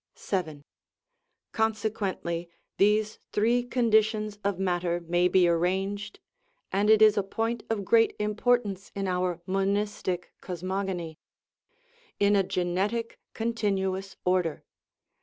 VII. Consequently, these three conditions of mat ter may be arranged (and it is a point of great impor tance in our monistic cosmogony) in a genetic, contin uous order.